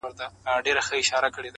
• خو په اوسنیو شرایطو کي -